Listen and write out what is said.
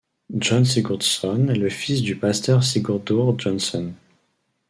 Jón Sigurðsson est le fils du pasteur Sigurður Jónsson.